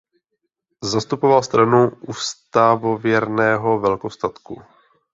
Zastupoval Stranu ústavověrného velkostatku.